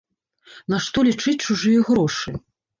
Нашто лічыць чужыя грошы?